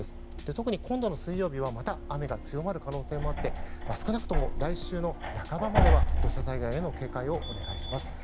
特に今度の水曜日はまた雨が強まる可能性もあって少なくとも来週の半ばまでは土砂災害への警戒をお願いします。